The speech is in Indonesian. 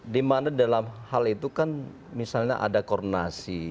di mana dalam hal itu kan misalnya ada koordinasi